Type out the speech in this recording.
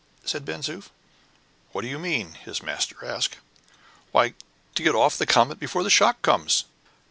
said Ben Zoof. "What do you mean?" his master asked. "Why, to get off the comet before the shock comes."